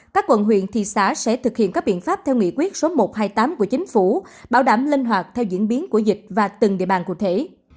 các quận huyện thị xã sẽ thực hiện các biện pháp theo nghị quyết số một trăm hai mươi tám của chính phủ bảo đảm linh hoạt theo diễn biến của dịch và từng địa bàn cụ thể